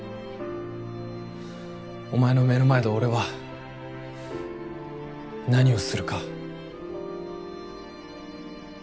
おまえの目の前で俺は何をするか。